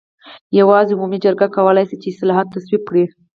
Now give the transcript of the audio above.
یوازې عمومي جرګه کولای شي چې اصلاحات تصویب کړي.